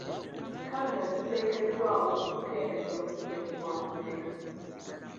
Kamera ziteekeddwawo okukendeezza ku bumenyi bw'amateeka.